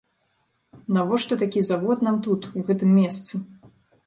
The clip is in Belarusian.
Навошта такі завод нам тут, у гэтым месцы?